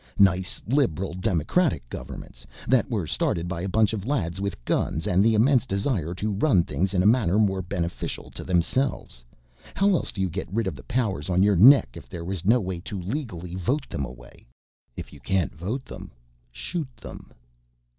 Nice, liberal democratic governments that were started by a bunch of lads with guns and the immense desire to run things in a manner more beneficial to themselves. How else do you get rid of the powers on your neck if there is no way to legally vote them away? If you can't vote them shoot them."